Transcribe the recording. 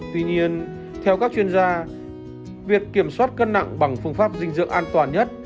tuy nhiên theo các chuyên gia việc kiểm soát cân nặng bằng phương pháp dinh dưỡng an toàn nhất